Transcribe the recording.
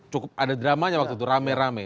cukup ada dramanya waktu itu rame rame